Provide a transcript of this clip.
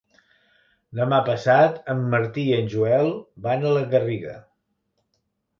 Demà passat en Martí i en Joel van a la Garriga.